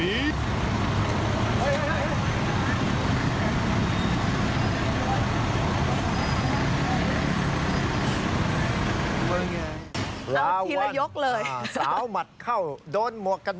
ทีละยกเลยสาวมัดเข้าโดนมวกกันน็อค